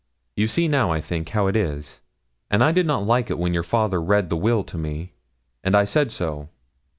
You see now, I think, how it is; and I did not like it when your father read the will to me, and I said so.